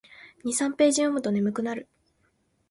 二三ページ読むと眠くなる